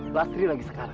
lastri lagi sekali